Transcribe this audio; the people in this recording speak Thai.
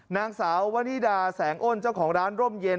นางสาววนิดาแสงอ้นเจ้าของร้านร่มเย็น